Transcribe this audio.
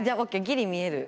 ギリ見える。